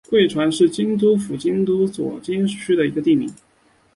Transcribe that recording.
贵船是京都府京都市左京区的地名。